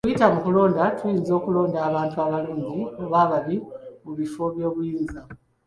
Okuyita mu kulonda, Tuyinza okulonda abantu abalungi oba ababi mu bifo by'obuyinza.